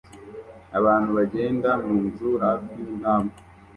Abantu bagenda munzu hafi yintambwe